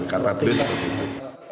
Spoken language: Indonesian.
kata beri seperti itu